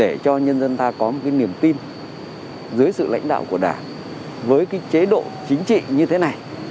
để cho nhân dân ta có một cái niềm tin dưới sự lãnh đạo của đảng với chế độ chính trị như thế này